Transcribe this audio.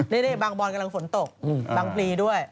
นี่บางบอนกำลังฝนตกบางพลีด้วย